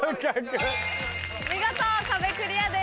見事壁クリアです。